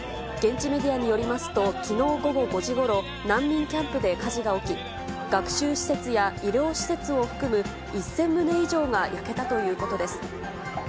現地メディアによりますと、きのう午後５時ごろ、難民キャンプで火事が起き、学習施設や医療施設を含む１０００棟以上が焼けたということです。